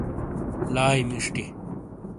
لائی مشٹی،